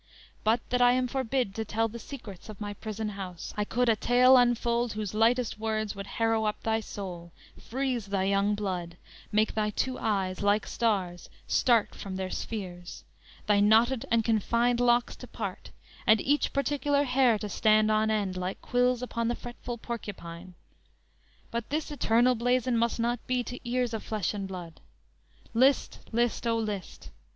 But that I am forbid To tell the secrets of my prison house, I could a tale unfold whose lightest words Would harrow up thy soul, freeze thy young blood, Make thy two eyes, like stars, start from their spheres, Thy knotted and confined locks to part And each particular hair to stand on end Like quills upon the fretful porcupine. But this eternal blazon must not be To ears of flesh and blood. List! list, O list!